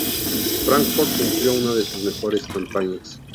Frankfurt cumplió una de sus mejores campañas.